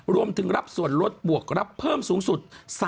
รวมถึงรับส่วนลดบวกรับเพิ่มสูงสุด